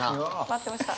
待ってました！